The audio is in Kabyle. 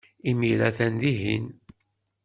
Imir-a, atan dihin.